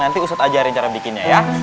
nanti usut ajarin cara bikinnya ya